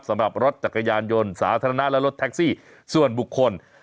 สำหรับรถจักรยานยนต์สาธารณะและรถแท็กซี่ส่วนบุคคล